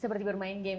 seperti bermain game